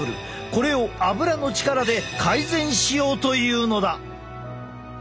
これをアブラの力で改善しようというのだ！